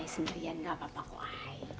i sendirian gak apa apa kok i